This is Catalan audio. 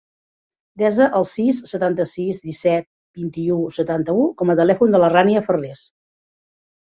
Desa el sis, setanta-sis, disset, vint-i-u, setanta-u com a telèfon de la Rània Ferres.